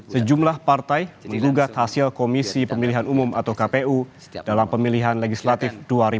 sejumlah partai digugat hasil komisi pemilihan umum atau kpu dalam pemilihan legislatif dua ribu sembilan belas